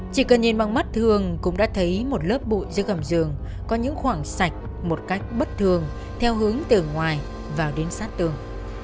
chỉ cần nhìn bằng mắt thường cũng đã thấy một lớp bụi dưới gầm giường có những khoảng sạch một cách bất thường theo hướng từ ngoài vào đến sát tường